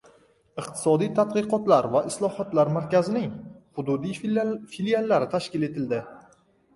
Iqtisodiy tadqiqotlar va islohotlar markazining hududiy filiallari tashkil etildi